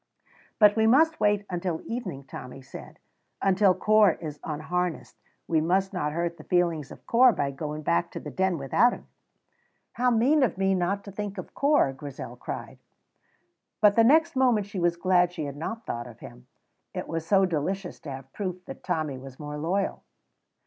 "But we must wait until evening," Tommy said, "until Corp is unharnessed; we must not hurt the feelings of Corp by going back to the Den without him." "How mean of me not to think of Corp!" Grizel cried; but the next moment she was glad she had not thought of him, it was so delicious to have proof that Tommy was more loyal.